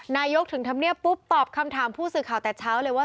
นายกถึงธรรมเนียบปุ๊บตอบคำถามผู้สื่อข่าวแต่เช้าเลยว่า